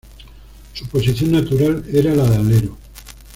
Su posición natural era la de alero.